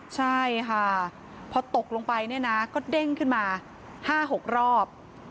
ใช่ค่ะพอตกลงไปเนี่ยนะก็เด้งขึ้นมา๕๖รอบ